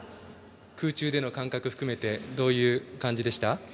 空中での感覚含めてどういう感じでした？